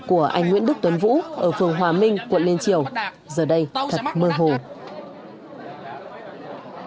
của anh nguyễn đức tuấn vũ ở phường hòa minh quận liên triều giờ đây thật mơ hồ